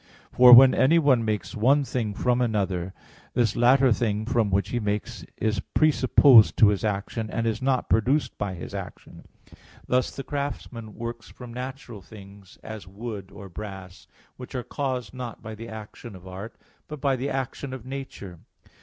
1). For when anyone makes one thing from another, this latter thing from which he makes is presupposed to his action, and is not produced by his action; thus the craftsman works from natural things, as wood or brass, which are caused not by the action of art, but by the action of nature.